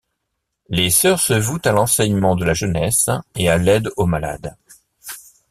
Les sœurs se vouent à l'enseignement de la jeunesse et à l'aide aux malades.